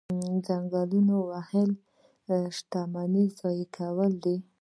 د ځنګلونو وهل شتمني ضایع کول دي.